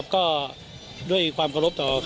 แต่มันมีความเข้าใจผิดของแม่คะ